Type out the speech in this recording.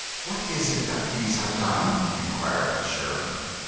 "What is it that these have done?" he inquired of the sheriff.